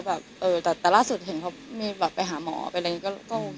แบบได้ราดสุดเห็นเขามีแบบไปหาหมออะไรก็โอเค